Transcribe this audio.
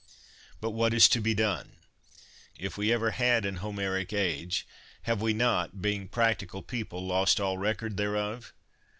But what is to be done? If we ever had an Homeric age, have we not, being a practical people, lost all record thereof?